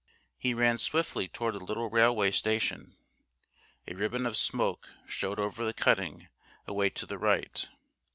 He ran swiftly toward the little railway station. A ribbon of smoke showed over the cutting, away to the right.